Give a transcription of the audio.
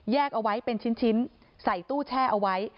เอาไว้เป็นชิ้นใส่ตู้แช่เอาไว้